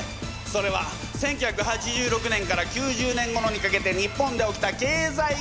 それは１９８６年から９０年ごろにかけて日本で起きた経済現象。